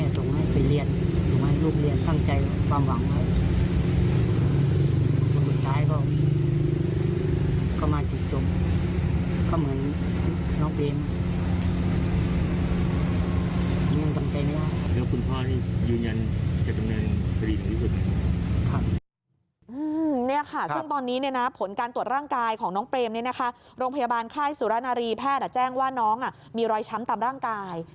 นี่ค่ะซึ่งตอนนี้ผลการตรวจร่างกายของน้องเปรมเนี่ยนะคะโรงพยาบาลค่ายสุรณารีแพทย์แจ้งว่าน้องมีรอยช้ำตามร่างกาย